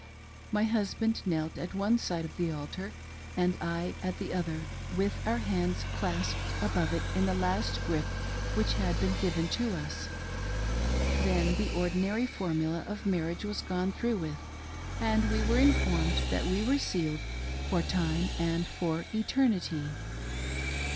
My husband knelt at one side of the altar and I at the other, with our hands clasped above it in the last grip which had been given to us. Then the ordinary formula of marriage was gone through with, and we were informed that we were sealed for time and for eternity.